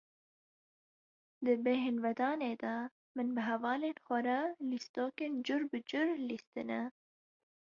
Di bêhinvedanê de, min bi hevalên xwe re lîstokên cur bi cur lîstine.